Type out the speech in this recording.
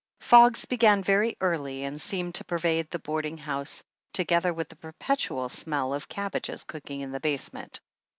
Fogs began very early, and seemed to pervade the boarding house, together with the perpetual smell of cabbages cooking in the basement.